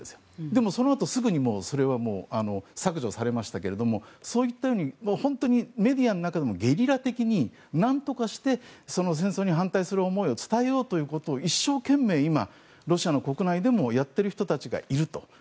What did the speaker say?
でも、そのあとそれはすぐに削除されましたがそういったようにメディアの中でもゲリラ的になんとかして戦争に反対する思いを伝えようということを一生懸命、今、ロシア国内でもやっている人たちがいると。